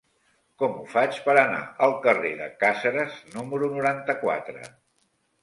Com ho faig per anar al carrer de Càceres número noranta-quatre?